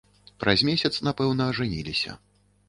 Праз месяц, напэўна, ажаніліся.